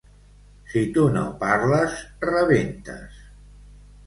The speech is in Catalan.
Si tu no parles, rebentes.